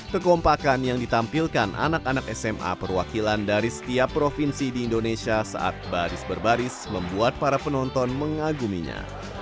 kekompakan yang ditampilkan anak anak sma perwakilan dari setiap provinsi di indonesia saat baris berbaris membuat para penonton mengaguminya